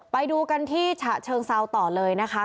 ไปดูกันที่ฉะเชิงเซาต่อเลยนะคะ